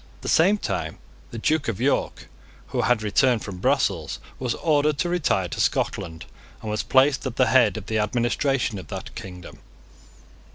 At the same time the Duke of York, who had returned from Brussels, was ordered to retire to Scotland, and was placed at the head of the administration of that kingdom.